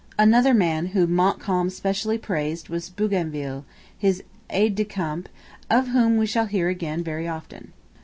Another man whom Montcalm specially praised was Bougainville, his aide de camp, of whom we shall hear again very often.